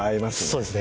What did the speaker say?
そうですね